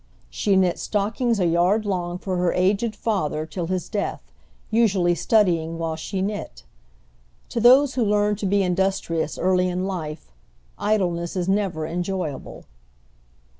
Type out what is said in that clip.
She knit stockings a yard long for her aged father till his death, usually studying while she knit. To those who learn to be industrious early in life, idleness is never enjoyable.